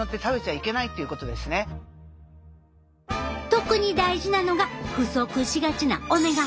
特に大事なのが不足しがちなオメガ３。